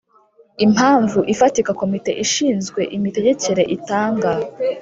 impamvu ifatika Komite ishinzwe imitegekere itanga